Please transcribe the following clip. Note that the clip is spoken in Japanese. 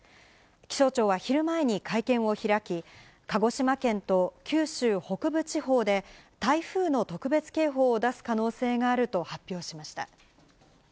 気象庁は昼前に会見を開き、鹿児島県と九州北部地方で、台風の特別警報を出す可能性があると発表しました。